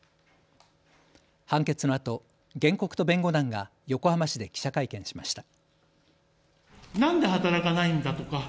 判決のあと原告と弁護団が横浜市で記者会見しました。